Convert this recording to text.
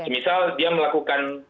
misal dia melakukan